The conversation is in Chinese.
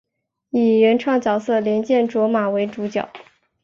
以原创角色莲见琢马为主角。